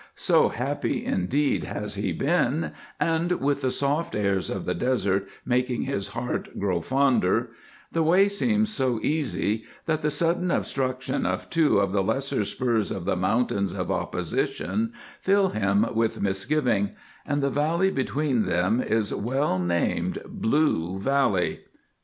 So happy indeed has he been and, with the soft airs of the desert making his heart grow fonder, the way seems so easy that the sudden obstruction of two of the lesser spurs of the Mountains of Opposition fill him with misgiving, and the valley between them is well named Blue Valley.